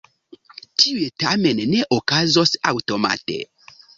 Tiuj tamen ne okazos aŭtomate.